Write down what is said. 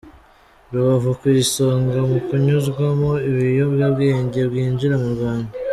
Rubavu ku isonga mu kunyuzwamo ibiyobyabwenge byinjira mu Rwanda